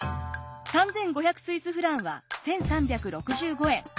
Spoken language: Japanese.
３，５００スイスフランは１，３６５円。